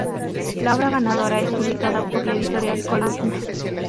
La obra ganadora es publicada por la Editorial Columna.